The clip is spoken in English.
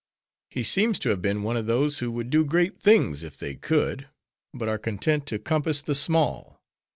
He seems to have been one of those, who would do great things if they could; but are content to compass the small.